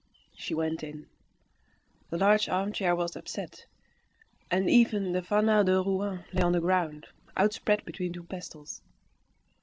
She went in. The large arm chair was upset, and even the "Fanal de Rouen" lay on the ground, outspread between two pestles.